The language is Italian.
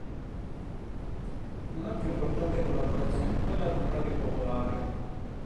Un'altra importante collaborazione è quella con Radio Popolare.